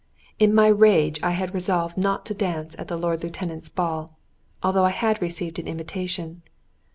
In my rage I had resolved not to dance at the Lord Lieutenant's ball, although I had received an invitation.